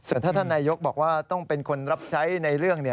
ส่วนถ้าท่านนายกบอกว่าต้องเป็นคนรับใช้ในเรื่อง